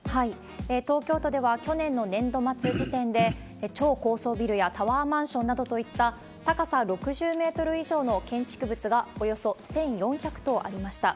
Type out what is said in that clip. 東京都では、去年の年度末時点で、超高層ビルやタワーマンションなどといった、高さ６０メートル以上の建築物が、およそ１４００棟ありました。